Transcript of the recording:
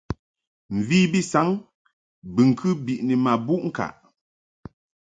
Mvi bi saŋ bɨŋkɨ biʼni ma buʼ ŋkaʼ.